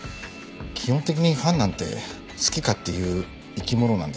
基本的にファンなんて好き勝手言う生き物なんです。